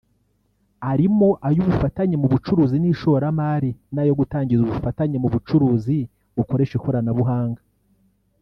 arimo ay’ ubufatanye mu bucuruzi n’ishoramari n’ayo gutangiza ubufatanye mu bucuruzi bukoresha ikoranabuhanga